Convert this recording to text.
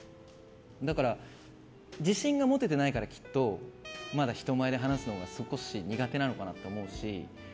だから、自信が持ててないからきっとまだ人前で話すのが少し苦手なのかなと思うし。